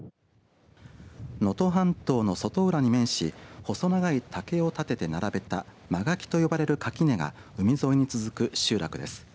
能登半島の外浦に面し細長い竹を立てて並べた間垣と呼ばれる垣根が海沿いに続く集落です。